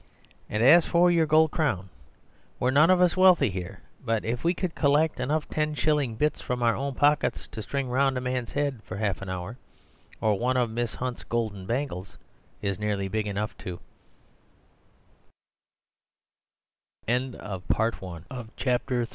And as for your gold crown, we're none of us wealthy here, but we could collect enough ten shilling bits from our own pockets to string round a man's head for half an hour; or one of Miss Hunt's gold bangles is nearly big enough to—" The good humoured Rosamund was a